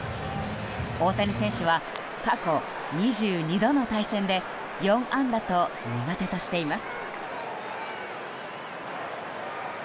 大谷選手は過去２２度の対戦で４安打と、苦手としています。